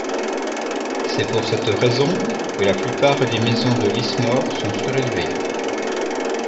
C'est pour cette raison que la plupart des maisons de Lismore sont surélevées.